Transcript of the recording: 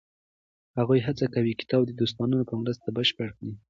هغوی هڅه کوي کتاب د دوستانو په مرسته بشپړ کړي.